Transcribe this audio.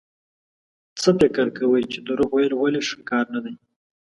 څه فکر کوئ چې دروغ ويل ولې ښه کار نه دی؟